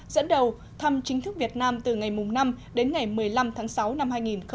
dẫn đầu thăm chính thức việt nam từ ngày năm đến ngày một mươi năm tháng sáu năm hai nghìn một mươi chín